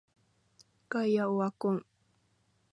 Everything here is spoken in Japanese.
ガイアオワコン